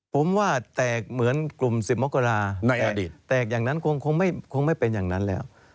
ผมว่าแตกเหมือนกลุ่ม๑๐มกราในอดีตแตกอย่างนั้นคงไม่เป็นอย่างนั้นแล้ว